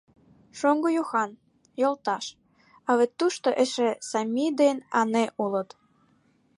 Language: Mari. Шоҥго Юхан — йолташ, а вет тушто эше Сами ден Анэ улыт.